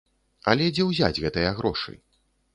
Але дзе ўзяць гэтыя грошы?